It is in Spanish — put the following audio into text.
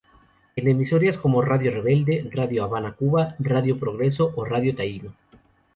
En emisoras como Radio Rebelde, Radio Habana Cuba, Radio Progreso o Radio Taíno.